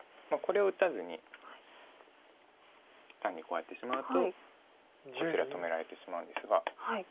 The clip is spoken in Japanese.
これを打たずに単にこうやってしまうとこちら止められてしまうんですが。